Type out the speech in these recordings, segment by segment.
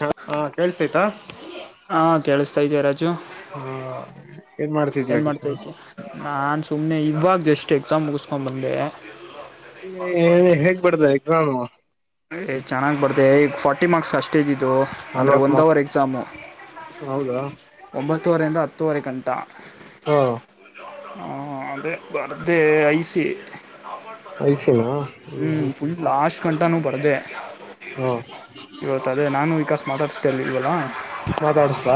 ಹ ಹಾ ಕೇಳುಸ್ಟೈತ ಹಾ ಕೇಳಿಸತಾ ಇದೆ ರಾಜು ಏನ್ ಮಾಡ್ತಿದ್ಯಾ ಏನ್ ಕಿಶೋರ್ ಮಾಡ್ತತಿ ನಾನ್ ಸುಮ್ನೆ ಇವಾಗ ಎಷ್ಟ್ ಎಕ್ಸಾಮ್ ಮುಗಆಯ್ತಾ ಬಂದೇ ಹೇಗ್ ಬರ್ದೇ ಎಕ್ಸಾಮ್ ಚನಾಗ್ ಬರ್ದೇ ಈ ಫಾರ್ಟಿ ಮಾರ್ಕ್ಸ್ ಅಷ್ಟೇ ಇದ ಇದು ಅಂದರೆ ನಲ್ವತ್ ಒಂದು ಮಾರ್ಕ್ಸ್ ಅವರ್ ಎಕ್ಸಾಮು ಹೌದಾ ಒಂಬತ್ತೂುವರೆಂದ ಹತ್ತೂವರೆ ಕಂಟ ಹಾ ಹ ಅದೇ ಬರ್ದೆೆ ಐಸಿ ಐಸಿನ ಹ್ಮ್ ಹ್ಮ ಹ್ಮ್ ಫುಲ್ ಲಾಸ್ಟ ಕಂ ಊ ಬರ್ದೇ ಹಾ ಇವತ್ತು ಅದೇ ನಾನು ವಿಕಾಸ್ ಮಾತಾಡುಸ್ತಾ ಇವಲ್ಲ ಮಾತಾಡುಸದ,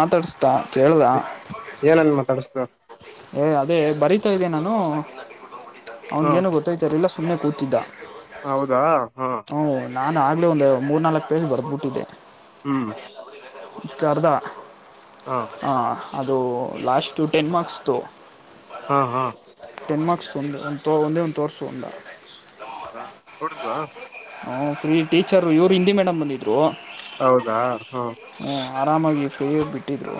ಮಾತಾಡ್ಸ್ತಾ ಕೇಳ್ದ ಏನನ್ ಮಾತಾಡಸ್ತ ಅ ಅದೇ ಬರೀತಾ ಇದ್ದೆ ನಾನು ಹಾ ಅವ್ನಿಗೇನು ಗೊತ್ತಾಯಿತಾಇರ್ಲಿಲ್ಲ ಇಲ್ಲ ಸುಮ್ಮನೆ ಕೂತಿದ್ದ ಹೌದಾ ಹಾ ಹ್ಞೂ ನಾನು ಆಗ್ಲೇ ಒಂದು ಮೂರ್ ನಾಲ್ಕ್ ಪೇಜ್ ಬರ್ಬಿಟ್ಟಿದ್ದೆ ಹ್ಮ್ ಅರ್ಧ ಹಾ ಹ ಅದು ಲಾಸ್ಟ್ು ಟೆನ್ ಮಾರ್ಕ್ಸ್ದು ಹಾ ಹಾ ಟೆನ್ ಮಾರ್ಕ್ಸ್ ತೊಂದ ಒಂದು ತೋ ಒಂದೇ ಒಂದು ತೋರಿಸು ಒಂದ ಹೌದಾ ಕೊಡಿಸಲಾ ಹ ಫ್ರೀ ಟೀಚರು ಇವ್ರು ಹಿಂದಿ ಮೇಡಮ್ ಬಂದಿದ್ರು ಹೌದಾ ಹಾ ಹು ಆರಾಮಾಗಿ ಫ್ರೀಯ ಬಿಟ್ಟಿದರು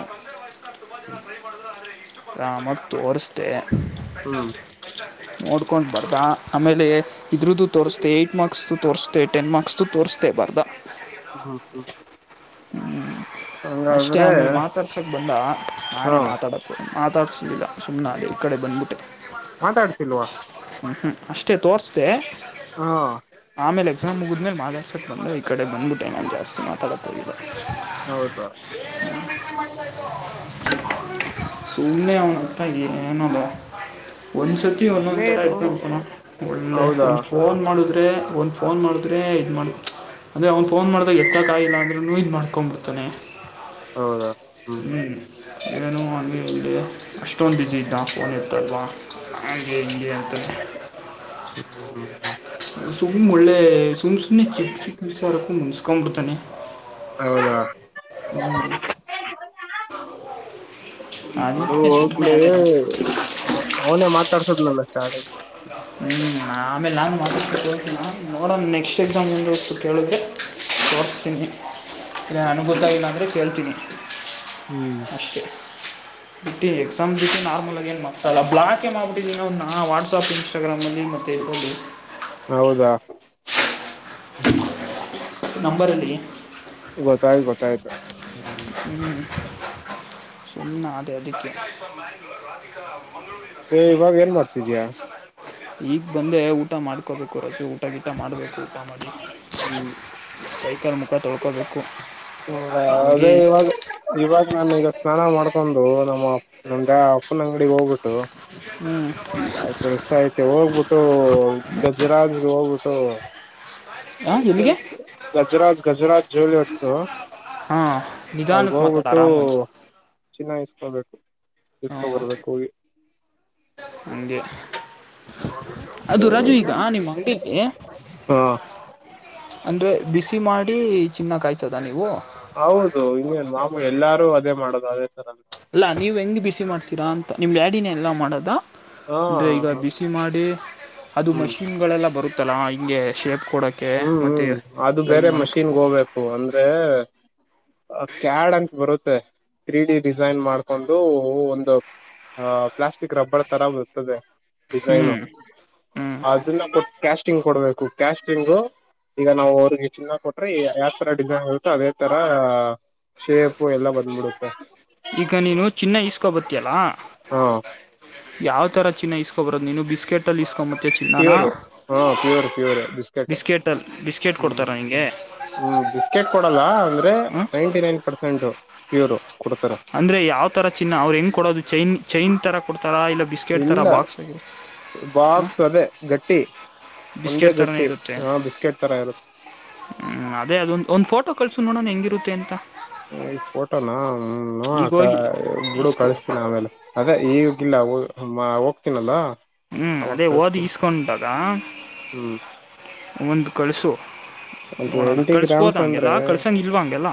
ಹ್ಮ ಮತ್ತು ತೋರ್ಸದ್ ಹ್ಮ್ ನೋಡ್ಕೊಂಡ್ ಬರ್್ದ ಆಮೇಲೆ ಇದ್ರುದು ತೋರಿಸಸ್ೆ ಏಟ್ ಮಾರ್ಕ್ಸ್ ತೋರಿಸಸ್ೆ ಟೆನ್ ಮಾರ್ಕ್ಸ್ ಚು ತೋರ್ಸದೆ ಬರ್ದ ಹ್ಮ ಹ್ಮ್ ಹ್ಞ ಅಷ್ಟೇ ಹಂಗಾದ್ರೆ ಆಮೇಲೆ ಮಾತಾಡ್ಸೋಕ್ಕೆ ಬಂದ ಹಾ ನಾನೇ ಮಾತಾಡಕ್ಕೆ ಮಾತಾಡ್ಿಸೋಲಿಲ್ಲ ಸುಮ್ಮನ್ ಅದೇ ಈ ಕಡೆ ಬಂದ್ಬಿಟ್ಟು ಮಾತಾಡ್ತಿಲ್ವಾ ಅಷ್ಟೇ ತೋರ್ಸದೆ ಹಾ ಆಮೇಲೆ ಎಕ್ಸಾಮ್ ಮುಗಿದ್ಮೇಲೆ ಮಾತಾಡ್ಸಕ್ಕೆ ಬಂದ ಈ ಕಡೆ ಬಂದಬಿಟ್ಟೆ ನಾನ್ ಜಸ್ತಿ ಮಾತಾಡತಕ ಹೋಗ್ ಹೌದಾ ಸುಮ್ನೆ ಅವ್ನತ್ರ ಏನ್ ಅದು ಒಂದ್ಸತಿ ಒಂದೊಂದ್ ತರ ಇನ್ನೇನು ಇರ್ತಾನೋ ಕಣೋ ಒಳ್ಳೆ ಹೌದಾ ಒಂದು ಫೋನ್ ಮಾಡಿದ್ರೆ ಒಂದ್ ಫೋನ್ ಮಾಡಿದ್ರೆ ಇದ್ ಮಾಡ ಮಾಚ್ ಅಂದ್ರೆ ಅವನ್ ಫೋನ್ ಮಾಡ್ದಾಗ ಎತ್ತ ಕಾಯಿಲ್ಲ ಅಂದ್ರ ಅದನ್ನು ಇದು ಮಾಡ್ಕೊಂಬಿಡ್ತಾನೆ ಹೌದಾ ಹ್ಮ್ ಹ್ಞ ಏನು ಅಂಗ ಇಲ್ಲಿ ಅಷ್ಟೊಂದು ಬ್ಯುಝಿ ಇದ್ದ ಫೋನ್ ಏತಲ್ವಾ ಹಾಗೇ ಇಿಯತ್ತ ಹ್ಮ್ ಹ್ಮ್ ಸುಮ ಒಳ್ಳೆ ಸುಮ್ ಸುಮ್ಮ್ನೆ ಚಿಕ್ಕ ಚಿಕ್ಕ ವಿಚಾರಕ್ಕು ಮುನ್ಸ್ಕೊ್ಬಿಡ್ತಾನೆ ಹೌದ ಹದಿ ಬಿಡು ಅದಕ್ಕೆ ಸುಮ್ಮನೆ ಹೋಗ್ಲಿ ಅದೇ ಅವನೇ ಮಾತಾಡ್ಸದ್ ನ ಚ ಸ ಹ್ಮ್ ಆಮೇಲೆ ನಾನ್ ಮಾ ನೋಡ ನೆಕ್ಸ್ಟ್ ಎಕ್ಸಾಮ್ ಮುಂದ ಕೇಳಿದ್ರೆ ತೋರಿಸ್ತೀನಿ ಇಲ್ಲ ನನಗೆ ಗೊತ್ತಾಗಿಲ್ಲ ಅಂದ್ರೆ ಕೇಳ್ತೀನಿ ಹ್ಮ್ ಅಷ್ಟೆ ಬಿಟ್ಟಿ ಎಕ್ಸಾಮ್ ನಾರ್ಮಲ ಆ ನ್ ಮಾ್ತಲ್ಲ ಬ್ಲಾಕೆ ಮಾಡ್ಬಿಟ್ಟಿನಿಧಿ ಅವನ್ನ ವಾಟ್ಆಪ್ ಇನ್ಸ್ಟಾಗ್ರಾಮ್ನಲ್ಲಿ ಮತ್ತುತ್ತ ಓಲಿ ಹೌದಾ ನಂಬರ್ ಅಲ್ಲಿ ಗೊತ್ತಾಯ್ತು ಗೊತ್ತಾಯ್ತು ಹ್ಮ್ ಸುನಾ ಅದೇ ಅದಕ್ಕೆ ಇವಾಗ ಏನ್ ಮಾಡ್ತಿದಯ ಈಗ ಬಂದೇ ಊಟ ಮಾಡ್ಕೋಬೇಕು ರೋಜೆ ಊಟ ಗೀಟ ಮಾಡಬೇಕು ಮಾಡ ಹ್ಮ ಬೈಕಲ್ ಮುಖ ತೊಳ್ಕೋಬೇಕು ಹ್ಮ ಅದೇ ಇವಾಗ ಇವಾಗ ನಾನ ಈಗ ಸ್ನಾನ ಮಾಡ್ಕೊಂಡು ನಮ್ಮ ನಮ್ದ ಅಪ್ಪನ ಅಂಗಡಿಗೆ ಹೋಗ್ಬಿಟ್ಟು ಹ್ಮ್ ಆ ಕೆಲ್ಸ ಐತಿ ಹೋಗ್ಬಿಟ್ಟು ಗಜರ ಹೋಗ್ಬಿಟ್ಟು ಹಾಂ ಅದಕ್ಕೆ ಎಲ್ಲಿಗೆ ಗಜರಾಜ್ ಗಜರಾಜ್ ಜ್ಯುವೆಲರ್ಸ್ ಹಾಂ ಅಳ್ಗ ನಿಧಾನಕ್ಕೆ ಮಾತಾಡು ಹೋಗ್ಬಿಟ್ಟು ಆರಾಮಾಗಿ ಚಿನ್ನಾಗಸ್ಕೊಬೇಕು ಎಸ್ಕೊ ಬರ್ಬೇಕುೋಗ ಹಗೆ ಅದು ರಾಜು ಈಗ ನಿಮ್ಮ ಹಂಗಕ್ಕೆ ಹಾ ಅಂದರೆ ಬಿಸಿ ಮಾಡಿ ಚಿನ್ನ ಕಾಯ್ಿಸದ ನೀವು ಹೌದು ಇನ್ನೇನು ನವು ಎಲ್ಲಾರು ಅದೇ ಮಾಡದು ಅದೇ ತರ ಅಲ್ಲಾ ನೀವ್ ಹೆಂಗ್ ಬಿಸಿ ಮಾಡ್ತೀರಾ ಅಂತ ನಿಮ್ ಡ್ಯಾಡಿನ ಎಲ್ಲಾ ಮಾಡದ ಹಾ ಅಂದ್ರೆ ಈಗ ಹ್ಮ್ ಬಿಸಿ ಮಾಡಿ ಅದು ಮಷಿನ್ಗಳೆಲ್ಲ ಬರುತ್ತಲ್ಲ ಹಿಂಗೆ ಶೇಪ್ ಕೊಡೋಕ್ಕೆ ಹ್ಮ್ ಮತ್ತು ಹ್ಮ್ ಅದು ಲೈನ್ ಬೇರೆ ಮಾಡೋಕ್ಕೆ ಮಷಿನ್ಗ ಹೋಗ್ಬೇಕು ಅಂದ್ರೆ ಕ್ಯಾಡ್ ಅಂತ ಬರುತ್ತೆ ತ್ರ್ರೀ ಡಿ ಡಿಸೈನ್ ಮಾಡ್ಕೊಂಡು ಒಂದು ಹ ಪ್ಲಾಸ್ಟಿಕ್ ರಬ್ಬರ್ ತರ ಬರ್ತದೆ ಹ್ಞೂ ಡಿಸೈನು ಹ್ಞೂ ಅದನ್ನ ಕೊ ಕ್ಯಾಸ್ಟಿಂಗ್ ಕೊಡ್ಬೇಕು ಕ್ಯಾಸ್ಟಿ್ ಂಗು ಈಗ ನಾವು ಅವ್ರಿಗೆ ಚಿನ್ನಾಗ ಕೊಟ್ರಿ ಯಾವ್ ತರ ಡಿಸೈನ್ ಹತು ಅದೇ ತರ ಶೇಪ್ಪು ಎಲ್ಲ ಬಂದ್ಬಿಡುತ್ತೆ ಈಗ ನೀನು ಚಿನ್ನ ಇಸ್ಕೊ ಬತೀಲ್ಲ ಹಾ ಯಾವ ತರ ಚನ್ನ ಇಸ್ಕೊ ಬರೋ ನೀನು ಬಿಸ್ೆಟ್ ಅಲ್ಲಿ ಇಸ್ಕೊಂಬ ಪ್ಯೋರ್ ಹಾ ಪ್ಯೋರ್ ಪ್ಯೋರ್ ಬಿಸ್ಕೆಟ್ ಅಲ್ಲಿ ಬಿಸ್ಕೆಟ್ ಕೊಡ್ತಾರಾ ನಿಂಗೆ ಹ್ಮ ಬಿಸ್ಕೆಟ್ ಕೊಡಲ್ಲ ಅಂದ್ರೆ ಹ್ಞೂ ನೈಂಟಿ ನೈನ್ ಪರ್ಸೆಂಟ್ ಪ್ಯೂರ್ ಕೊಡ್ತಾರೆ ಅಂದ್ರೆ ಯಾವ್ತರ ಚಿನ್ನ ಅವ್ರು ಹೆಂಗ್ ಕೊಡೋದು ಚೈನ್ ಚೈನ್ ತರ ಕೊಡ್ತಾರ ಇಲ್ಲ ಬಿಸ್ಕೆಟ್ ತರ ಇಲ್ಲ ಬಾಕ್ಸ ಬಾಕ್ಸ್ ಅದೇ ಗಟ್ಟಿ ಒಂದೇ ಬಿಸ್ಕೆಟ್ ಥರನೇ ಗಟ್ಟಿ ಇರುತ್ತೆ ಹಾ ಬಿಸ್ಕೆಟ್ ತರ ಇರುತ್ತೆ ಹ್ಮ್ ಅದೇ ಅದೊಂದ ಒಂದ್ ಫೋಟೋ ಕಳ್ಸು ನೋಡೋಣ ಹೆಂಗಿರುತ್ತೆ ಅಂತ ಈ ಫೋಟೋನಾ ಹ್ಮ ಈಗ ನ ಹೋಗಿ ಬಿಡು ಇಸ್ಕೊ ಕಳಿಸ್ತೀನಿ ಅವೆಲ್ಲ ಅದ ಈಗಿಲ್ಲ ಹ ಹೋಗ್ತೀನಲ್ಲಾ ಹ್ಮ್ ಅದೇ ಓದ ಇಸ್ಕೊಂಡಂಟಾಗ ಹ್ಮ್ ಒಂದು್ ಕಳ್ಸು ಒಂದು ನೋಡೋಣ ಎಂಟಿ ಕಳ್ಸ್ಬೋದ ಗ್ರಾಮ್ಸ್ ಹಂಗೆಲ್ಲ ಅಂದ್ರೆ ಕಳ್ಸಂಗ ಇಲ್ವಾ ಹಂಗೆಲ್ಲ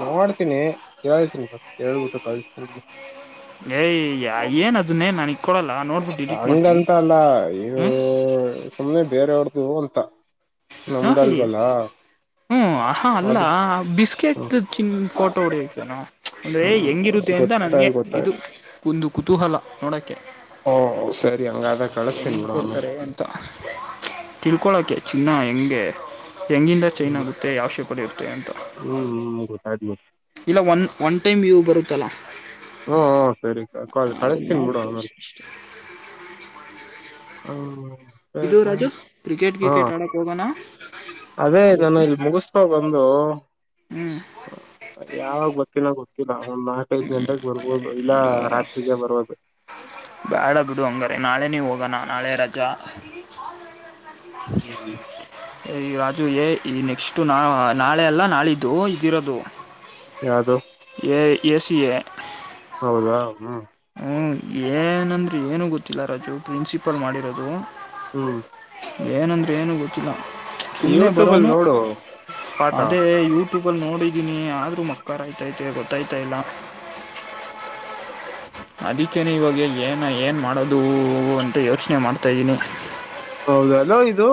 ನೋಡ್ತೀನಿ ಕೇಳ್ತೀನಿ ಫಸ್ಟ್ ಕೇಳ್ಬಿಟ್ಟು ಕಳ್ಸ್ತಿನಿ ಏಯ್ ಏನ್ ಅದನ್ನೇ ನನ ಹಂಗಂತ ಅಲ್ಲ ಇವು ಹ್ಮ್ ಸುಮ್ನೆ ಬೇರವ್ರ್ದು ಅಂತ ನಮ್ದ ಅಲ್ವಲ್ಲಾ ಹ್ಮ್ ಹಹಾ ಅಲ್ಲ ಬಿಸ್ಕೆಟ್ ಚಿ ಫೋಟೋ ಹೊಡಕ್ಕೆ ನ ಅಂದ್ರೆ ಹ್ಮ್ ಹೆಂಗಿರ್ ಅಂತ ನಂಗೆ ಗೊತ್ತಾಯ್ತು ಇದು ಗೊತ್ತಾಯ್ತು ಒಂದು ಕುತೂಹಲ ನೋಡಕ್ಕೆ ಓ ಸರಿ ಹಂಗಾದ ಕಳಸ್ತೇನ್ ಬಿಡ ಆಮೇಲೆ ತಿಳ್ಕೊಳಕೆ ಚಿನ್ನ ಹೆಂಗೆ ಹೆಂಗಿಂದ ಚೈನ್ ಹ್ಮ್ ಆಗುತ್ತೆ ಯಾ ಶೆಪ್ ಇರುತ್ತೆ ಅಂತ ಹ್ಮ್ ಹ್ಮ್ ಗೊತ್ತಾಯ್ತು ಗೊತ್ತು ಇಲ್ಲ ಒನ್ ಒನ್ ಟೈಮ್ ಯೂ ಬರುತ್ತಲಾ ಹ್ಮಹ್ಮ ಸರಿ ಅದನ್ನ ಕಳಸ್ತೀನ್ ಬಿಡು ಆಮೇಲೆ ಮಾಡ್ಬೋದು ಇದು ಹ್ಮ ರಾಜು ಕ್ರಿಕೆಟ್ ಹಾ ಗಿಕೆಟ್ ಆಡಕ್ಕೆ ಹೋಗೋಣ ಅದೇ ನಾನು ಇವತ್ತು ಇಲ್ಲಿ ಮುಗಿಸ್ತಾ ಬಂದ ಹ್ಮ್ [unintelligible] ಯಾವಾಗ ಗೊತ್ತಿಲ್ಲೋ ಗೊತ್ತಿಲ್ಲ ಒಂದ್ ನಾಲ್ಕಐದ ಗಂಟೆಗೆ ಬರ್ಬೋದು ಇಲ್ಲ ರಾತ್ರಿರಿಗೆ ಬರ್ಬೋದು ಬಾಳ ಬಿಡು ಹಂಗಾರೆ ನಾಳೆ ನೀ ಹೋಗೋಣ ನಾಳೆ ರಜಾ ಹ್ಮ್ ರಾಜು ಏ ಈ ನೆಕ್ಸ್ಟು ನಾ ನಾಳೆ ಅಲ್ಲ ನಾಳಿದ್ದು ಇದಿರೋದು ಯಾವದು ಎ ಎ ಸಿ ಎ ಹೌದಾ ಹ್ಮ ಹ್ಞೂ ಏನಂದ್ರೆ ಏನುೂ ಗೊತ್ತಿಲ್ಲ ರಾಜು ಪ್ರಿನ್ಸಿಪಲ್ ಮಾಡಿರೋದು ಹ್ಮ್ ಏನಂದ್ರೆ ಏನು ಗೊತ್ತಿಲ್ಲ ಸುಮ್ಮನೆ ಯೂಟ್ಯೂಬ್ ಅಲ್ಲಿ ಬರೋನು ನೋಡು ಪಾಠ ಅದೇ ಯೂಟ್ಯೂಬಲ್ಲಿ ನೋಡಿದ್ದೀನಿ ಆದ್ರೂ ಮಕ್ಕಾರ ಆಯ್ತತೆ ಗೊತ್ತಾಯ್ತಾ ಇಲ್ಲ ಹ ಅದಕ್ಕೇನೆ ಇವಾಗ ಏನು ಏನು ಮಾಡೋದು ಅಂತ ಯೋಚನೆ ಮಾಡ್ತಾಯ್ದೀನಿ ಹೌದಲ ಇದು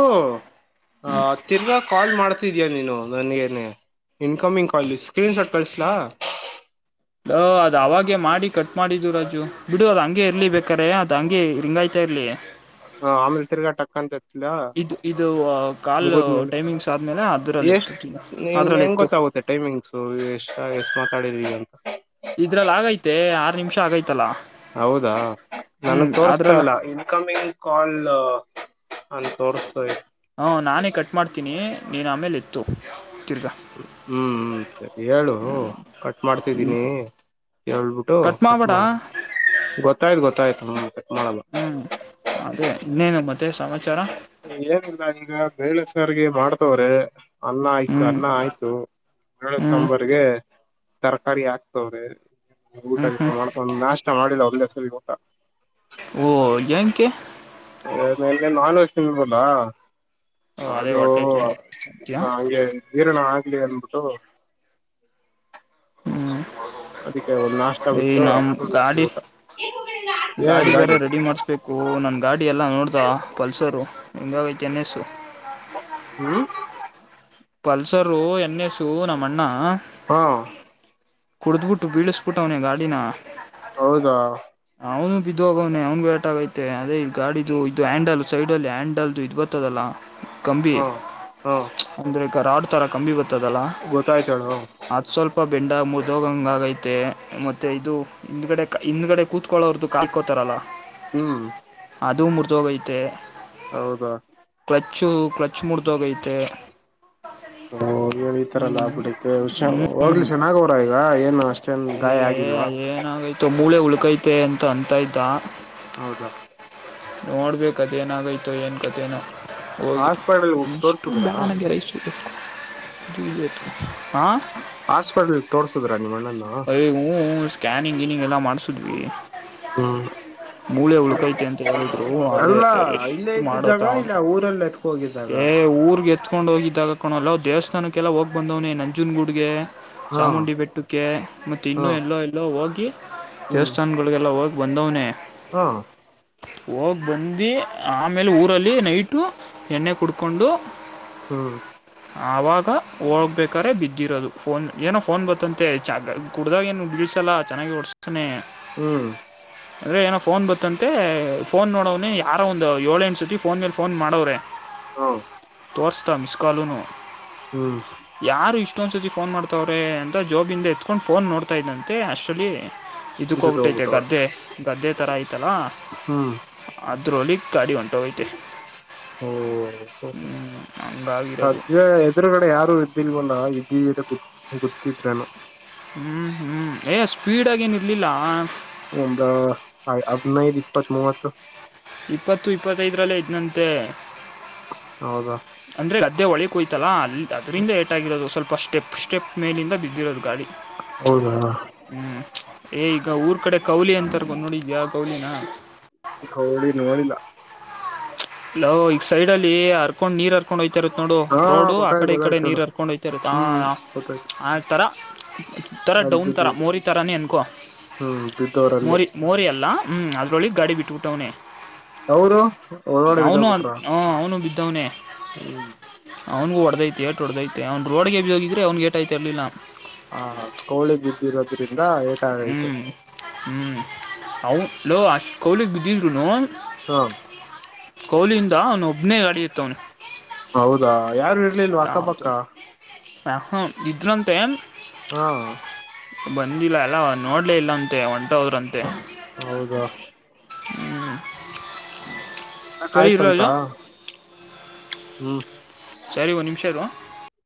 ಆ ತಿರ್ಗಾ ಕಾಲ್ ಮಾಡ್ತಿದಯ ನೀನು ನನ್ಗನೆ ಇನ್ಕಮಿಂಗ್ ಕಾಲ ಸ್ಕ್ರೀನ್ ಶಾಟ್ ಕಳಸಲಾ ಹ ಅದ್ ಅವಾಗೆ ಮಾಡಿ ಕಟ್ ಮಾಡಿದು ರಾಜು ಬಿಡು ಅದ ಹಂಗೆ ಇರ್ಲಿ ಬೇಕಾರೆ ಅದ್ ಹಂಗೆ ರಿಂಗಾಯ್ತಾ ಇರ್ಲಿ ಆಮೇಲೆ ತಿರ್ಗಾ ಟಕ್ ಅಂತ ಎತ್ಲಾ ಇದು ಇದು ಕಾಲ್ ಮುಗಿದ್ಮೇಲೆ ಟೈಮಿಂಗ್ಸ್ ಆದ್ಮೇಲೆ ಅದರಲ್ಲಿ ಎಷ್ಟ್ ಎತ್ತುತ್ತೀನಿ ನಿಂ ಅದರಲ್ಲಿ ಹೆಂಗ್ ಎತ್ತು ಗೊತ್ತಾಗುತ್ತೆ ಟೈಮಿಂಗ್ಸು ಎಷ್ಟ ಎಷ್ಟು ಮಾತಾಡಿದ ಈಗ ಇದ್ರಲ್ಲಿ ಆಗೈತೆ ಆರ್ ನಿಮಿಷ ಆಗೈತಲ್ಲಾ ಹೌದಾ ನನ್ಗ್ ತೋರ್ಸ್ತಾ ಇಲ್ಲ ಇನ್ಕಮಿಂಗ್ ಕಾಲ್ ನನ್ ತೋರ್ಸ್ತ ಹಾ ನಾನೇ ಕಟ್ ಮಾಡ್ತೀನಿ ನೀನ್ ಆಮೇಲೆ ಎತ್ತು ತಿರ್ಗಾ ಹ್ಮ ಹ್ಮ್ ಸರಿ ಹೇಳು ಕಟ್ ಹ್ಞೂ ಮಾಡ್ತಿದ್ದೀನಿ ಹೇಳ್ಬಿಟ್ಟು ಕಟ್ ಮಾಡ ಗೊತ್ತಾಯ್ತು ಗೊತ್ತಾಯ್ತು ಹ್ಮ ಕಟ್ ಮಾಡಲ್ಲ ಹ್ಮ್ ಅದೇ ಇನ್ನೇನು ಮತ್ತೆ ಸಮಾಚಾರ ಏನಿಲ್ಲ ಈಗ ಬೇಳೆ ಸಾರಿಗೆ ಮಾಡ್ತವ್ರೆ ಅನ್ನ ಆಯ್ತು ಹ್ಮ್ ಅನ್ನ ಆಯ್ತು ಬೆಳೆ ಹ್ಮ್ ಸಾಂಬರ್ಗೆ ತರಕಾರಿ ಆಕ್ತವ್ರೆ ಊಟ ಹ್ಮ್ ಗಿಟ ಹ್ಮ್ ಮಾಡಕೊಂದ್ ನಾಷ್ಟ ಮಾಡಿಲ್ಲ ಒಂದೇಸರಿಗ ಊಟ ಕೇ [unintelligible] ಓ ಅದೇ ಅದು ಹೊಟ್ಟೆ ತುಂಬ್ಯಾ ಹಂಗೆ ನೀರನ ಹಾಕ ಗೆಂದುಬಿಟ್ಟು ಹ್ಮ್ ಅದಕ್ಕೆ ಒ ನಾಷ್ಟ ಈ ಬಿಟ್ಟು ನಮ್ ಗಾಡಿ ಊಟ ಗಾಡಿ ಬೇರೆ ರೆಡಿ ಮಾಡ್ಸ್ಕು ನನ್ ಗಾಡಿ ಎಲ್ಲಾ ನೋಡ್ದ ಪಲ್ಸರು ಹೆಂಗ ತನೆಸು [inaudible] ಹ್ಮ್ ಪಲ್ಸರು ಎನ್ ಎಸು ನಮ್ಮಣ್ಣ ಹಾ ಕುಡ್ದಟ್ಟು ಬೀಳಸ್ಬಿಟ್ಟು ಅವನ ಗಾಡಿನ ಹೌದಾ ಅವನು ಬಿದ್ದ ಹೋಗವನನೆ ಅವ್ನು ಬರಟ್ ಆಗೈತೆ ಅದೇ ಗಾಡಿದು ಇದು ಹ್ಯಾಂಡಲ್ ಸೈಡ್ ಅಲ್ಲಿ ಹ್ಯಾಂಡಲ್ದು ಇದು ಬರ್ತದಲ್ಲಾ ಕಂಬಿ ಹಾ ಹಾ ಅಂದ್ರೆ ಕರ ಆಡ್ ತರ ಕಂಬಿ ಬ [unintelligible] ಲ್ಲ ಗೊತ್ತಾಯ್ತ ಹೇಳು ಅ ಸ್ವಲ್ಪ ಬೆಂಡ ಮೂ [unintelligible] ರೋಗಂಗ ಆಗೈತೆ ಮತ್ತೆ ಇದು ಹಿಂದ್ಗಡೆ ಹಿಂದ್ಗಡೆ ಕೂತ್ಕೊಳ್ಳಳೋರ್ದುು ಕಾಯ ಕೋತಾರಲ್ಲ ಹ್ಮ್ ಅದು ಮುರುಧೋಗೈತೇ ಹೌದಾ ಕ್ಲಚ್ಚು ಕ್ಲಚ್ ಮುರುದೋಗೈತೆ ಹೂ ಎನ್ ಇತರಲ್ಲ ಆಗ್ಬಿಟ್ಟತೆ ಹುಷಾರ್ ಹ್ಞೂ ಹೋಗಲಿ ಶೆನ್ನಾಗ ಅವರ ಈಗ ಏನು ಅಷ್ಟೇನ್ ಏ ಗಾಯ ಆಗಿಲ್ವಾ ಅದೇನಾಗೈತು ಮೂಳೆ ಉಳ್ಕೈತೆ ಅಂತ ಅಂತಾ ಇದ ಹೌದಾ ನೋಡ್ಬೇಕ ಅದ ನಾಗೈತ ಏನ್ ಕಥೇನೋ ಹೋಗಿ ಹಾಸ್ಪಿಟಲ್ ಇಷ್ಟೊ ತೋರ್ಸುದ್ರ ಬೇಡ ನಗೆ ರೈಸ ಹಾಸ್ಪಿಟ್ಲ್ ತೋರ್ಸುದ್ರ ನಿಮ್ಮ ಅಣ್ಣನ ಅಯ ಸ್ಕ್ಯಾನಿಂಗ್ ಇನಿಂಗ್ ಎಲ್ಲಾ ಮಾಡ್ಸುದ್ವಿ ಹ್ಮ್ ಅಂತ ಹೇಳಿದ್ರು ಅದೇ ಅಲ್ಲ ಇಲ್ಲೇ ರೆಸ್ಟ್ ಮಾಡೋ ಇದ್ದಿದ್ದಾಗ ತಾವನ್ ಇಲ್ಲ ಊರಲ್ಲ ಎತ್ಕ ಹೋಗಿದ್ದಾಗ ಏ ಊರ್ಗೆ ಎತ್ಕೊಂಡ ಹೋಗಿದ್ದಾಗ ಕಣೋಲೋ ದೇವಸ್ಥಾನಕ್ಕೆಲ್ಲಾ ಹೋಗ ಬಂದವ್ನೆ ನಂಜುನಗುಡ್ಗೆ ಹಾ ಚಾಮುಂಡಿ ಬೆೆಟ್ಟಕ್ಕೆ ಮತ್ತು ಹಾ ಇನ್ನೂ ಎಲ್ಲೋ ಎಲ್ಲೋ ಹೋಗಿ ಹ್ಮ್ ದೇವಸ್ಥಾನಗಳಿಗೆಲ್ಲ ಹೋಗಿ ಬಂದವನೇ ಹಾ ಹೋಗಿ ಬಂದು ಆಮೇಲೆ ಊರಲ್ಲಿ ನೈಟು ಎಣ್ಣೆ ಕುಡ್ಕೊಂಡು ಹ್ಮ ಆವಾಗ ಹೋಗ್ಬೇಕ್ರೆ ಬಿದ್ದಿರೋದು ಫೋನ್ ಏನೋ ಫೋನ್ ಬತ್ತಂತೆ ಹೆಚ್ಚ ಕುಡ್ದಾಗ ಏನು ಬಿಳಿಸಲ್ಲ ಚೆನ್ನಾಗಿ ಹೊಡುಸ್ತಾನೆ ಹ್ಮ್ ಅಂದ್ರೆ ಏನೋ ಫೋನ್ ಬತ್ತಂತೆ ಫೋನ್ ನೋಡವ್ನ ಯಾರೋ ಒಂದ್ ಏಳು ಎಂಟ್ ಸತಿ ಫೋನ್ ಮೇಲ್ ಫೋನ್ ಮಾಡೋವ್ರೆ ಹಾ ತೋರಿಸದ ಮಿಸ್ಸೆಡ್ ಕಾಲುನು ಹ್ಮ್ ಯಾರು ಇಷ್ಟ ಇಷ್ಟೊಂದಸರ್ತಿ ಫೋನ್ ಮಾಡ್ತವ್ರೆ ಅಂತ ಜಾಬಿಂದ ಎತ್ಕೊಂಡು ಫೋನ್ ನೋಡ್ತಾ ಇದ್ದಂತೆ ಆಕ್ಚುಲಿ ಇದಕ್ಕ ಬಿದ್ದು ಹೋಗಬಿಟ್ಟೈತೆ ಹೋಗ್ಬಿಟ್ಟವ್ರೆ ಗದ್ದೆ ಗದ್ದೆ ತರ ಐತಲ್ಲ ಹ್ಮ್ ಅ ದ್ರಲಿ ಗಾಡಿ ಹೊಂಟ ಹೋಗ್ ಐತೆ ಓ ಹ್ಮ ಸದ್ಯ ಎದುರುಗಡೆ ಯಾರು ಇದ್ದಿಲ್ವಲ ಇದ್ದಧಿಧರೆ ಗೂ ಗೊತ್ತಿದ್ರೇನು ಹ್ಮ್ ಹ್ಮ್ ಏನ್ ಸ್ಪೀಡ್ ಆಗ ಏನ ಇರ್ಲಿಲ್ಲ ಒಂದು ಹದಿನೈದು ಇಪ್ಪತ್ ಮೂವತ್ತು ಇಪ್ಪತ್ತು ಇಪ್ಪತ್ತೈದರಲ್ಲಿೇ ಐದನಂತೆ ಹೌದಾ ಇದೆ ಒಳಿಗೆೋಯ್ತಲ್ಲ ಅಲ್ಲಿ ಅದರಿಂದ ಏಟ್ ಆಗಿರೋದು ಸ್ವಲ್ಪ ಸ್ಟೆಪ್ ಸ್ಟೆಪ್ ಮೇಲಿಂದ ಬಿದ್ದಿರೋದು ಗಾಡಿ ಹೌದಾ ಹ್ಮ್ ಏ ಈಗ ಊರ್ ಕಡೆ ಕೌಲಿ ಅಂತರ್ ನೋಡಿದಿಯಾ ಕೊನಿನ [inaudible] ಗೌಳಿ ನೋಡಿಲ್ಲ ಲ್ ಈಗ ಸೈಡ್ ಅಲ್ಲಿ ಹರ್ಕೊಂಡ್ ನೀರ್ ಹರ್ಕೊಂಡ ಹೂಯ್ತು ಇರುತ್ತ ನೋಡು ಹಾ ರೋಡು ಆ ಗೊತ್ತಾಯ್ತು ಕಡೆ ಈ ಕಡೆ ಗೊತ್ತಾಯ್ತು ನೀರ್ ಹೇಳು ಹರ್ಕೊಂಡ ಹಯ್ತರುತ್ತ ಹ್ಮ್ ಆ ಗೊತ್ತಾಯ್ತು ಆ ತರ ಥರ ಅಲ್ಲಿ ಡೌನ್ ಥರ ಬಿದ್ದಿದ್ದು ಮೋರಿ ಥರನೇ ಅನ್ಕೊ ಹ್ಮ್ ಬಿದ್ದವರಲ್ಲಿ ಮೋರಿ ಮೋರಿ ಅಲ್ಲ ಹ್ಮ್ ಅದ್ರೊಳಗ್ ಗಾಡಿ ಬಿಟ್ಟ ಬಿಟ್ಟವನೇ ಅವರು [inaudible] ಅವನು ಬಿದ್ದೋಗ್ಬಿಟ್ರ ಹ ಅವನು ಬಿದ್ದವನ ಹ್ಮ್ ಅವನಗೂ ಒಡೆದೈತೆ ಎಟ್ ಒಡೆದೈತೆ ಅವನು ರೋಡ್ಗೆ ಬಿಧ ಹೋಗಿದರೆ ಅವನಗೆ ಏಟ ಐತೆ ಇರಲಿಲ್ಲ ಹಾ ಕೋಳಿ ಬಿದ್ದಿರೋದ್ರಿಂದ ಹ್ಞೂ ಏಟಾಗೈತು ಹಲ ಅಷ್ಟು ಕೋಳಿಗ ಬಿದ್ದಿದ್ರೂನು ಹಾ ಕೋಳಿಯಿಂದ ಅವನು ಒಬ್ಬನೇ ಗಾಡಿ ಎತ್ತವ್ನೆ ಹೌದಾ ಯಾರು ಇರ್ಲಿಲ್ವಾ ಅಕ್ಕಪಕ್ಕ ನ ಇದಿದ್ರಂತೆ ಹಾ ಬಂದಿಲ್ಲ ಅಲ್ಲ ನೋಡ್ಲೇ ಇಲ್ಲ ಅಂತೆ ಒಂಟ ಹೋದ್ರಂತೆ ಹೌದಾ ಹ್ಮ ಆಯ್ತಂತ ಹ್ಮ್ ಸರಿ ಒಂದು ನಿಮಿಷ ಇರು